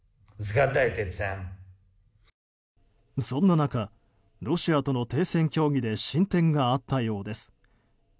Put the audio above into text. そんな中ロシアとの停戦協議で進展があったようです。